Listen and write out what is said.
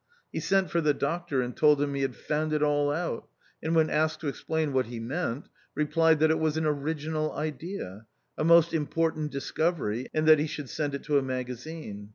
He sent for the Doctor, and told him he had " found it all out," and when asked to explain what he meant, replied that it was an original idea — a most important dis covery — and that he should send it to a magazine.